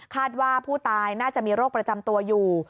ว่าผู้ตายน่าจะมีโรคประจำตัวอยู่